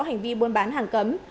hành vi buôn bán hàng cấm